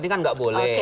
ini kan nggak boleh